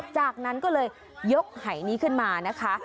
จากนั้นก็เลยยกหายนี้ขึ้นมานะคะ